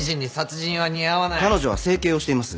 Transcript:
彼女は整形をしています。